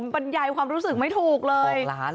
บรรยายความรู้สึกไม่ถูกเลย